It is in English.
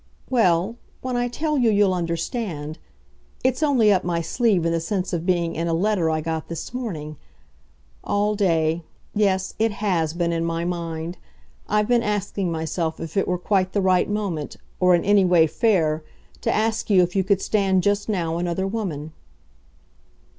"Well, when I tell you you'll understand. It's only up my sleeve in the sense of being in a letter I got this morning. All day, yes it HAS been in my mind. I've been asking myself if it were quite the right moment, or in any way fair, to ask you if you could stand just now another woman."